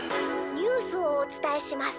「ニュースをおつたえします。